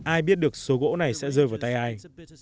ai biết được số gỗ này sẽ rơi vào tay ai